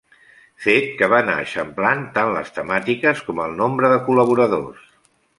Fet que va anar eixamplant tant les temàtiques com el nombre de col·laboradors.